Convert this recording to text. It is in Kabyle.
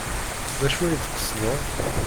D acu ay d-tqesdeḍ?